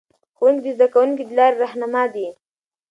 ښوونکي د زده کوونکو د لارې رهنما دي.